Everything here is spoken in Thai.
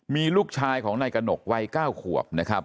มีลูกชายของนายกระหนกวัย๙ขวบนะครับ